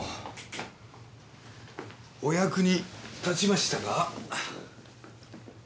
お役に立ちましたか？